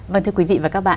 vâng thưa quý vị và các bạn